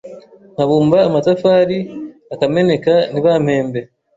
nkabumba amatafari akameneka ntibampembe